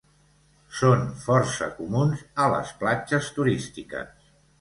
Són força comuns a les platges turístiques.